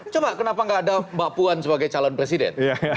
coba kenapa nggak ada mbak puan sebagai calon presiden